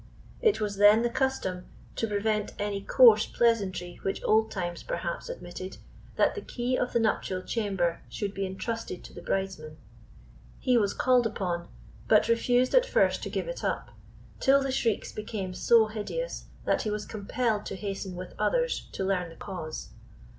It was then the custom, to prevent any coarse pleasantry which old times perhaps admitted, that the key of the nuptial chamber should be entrusted to the bridesman. He was called upon, but refused at first to give it up, till the shrieks became so hideous that he was compelled to hasten with others to learn the cause.